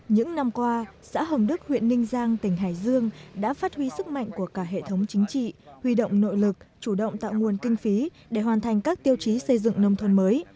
những năm qua xã hồng đức huyện ninh giang tỉnh hải dương đã phát huy sức mạnh của cả hệ thống chính trị huy động nội lực chủ động tạo nguồn kinh phí để hoàn thành các tiêu chí xây dựng nông thôn mới